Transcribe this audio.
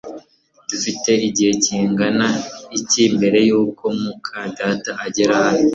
Dufite igihe kingana iki mbere yuko muka data agera hano?